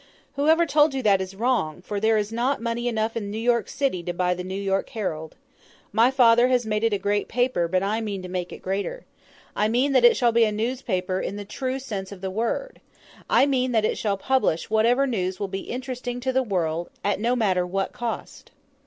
"Whoever told you that is wrong, for there is not, money enough in New York city to buy the 'New York Herald.' My father has made it a great paper, but I mean to make it greater. I mean that it shall be a newspaper in the true sense of the word. I mean that it shall publish whatever news will be interesting to the world at no matter what cost."